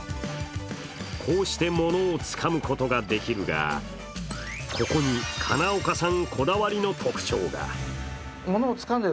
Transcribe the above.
こうして物をつかむことができるがここに金岡さんこだわりの特徴が。